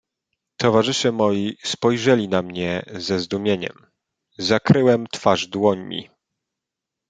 "Towarzysze moi spojrzeli na mnie ze zdumieniem; zakryłem twarz dłońmi."